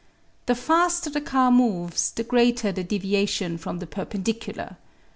The faster the car moves the greater the deviation from the perpen dicular.